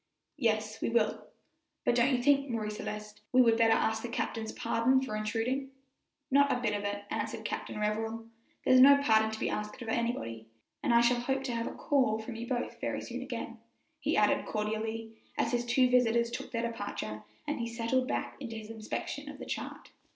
"Yes, we will; but don't you think, Marie Celeste, we would better ask the captain's pardon for intruding?" "Not a bit of it," answered Captain Revell; "there's no pardon to be asked of anybody, and I shall hope to have a call from you both very soon again," he added cordially as his two visitors took their departure, and he settled back to his inspection of the chart.